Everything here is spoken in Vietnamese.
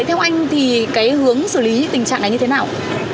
theo anh thì cái hướng xử lý tình trạng này như thế nào